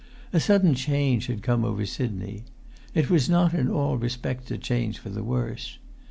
A sudden change had come over Sidney. It was not in all respects a change for the worse.